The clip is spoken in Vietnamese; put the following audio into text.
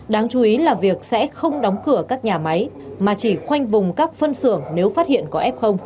đáng chú ý là việc sẽ không đóng cửa các nhà máy mà chỉ khoanh vùng các phân xưởng nếu phát hiện có f